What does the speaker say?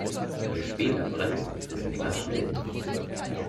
Wer später bremst, ist länger schnell.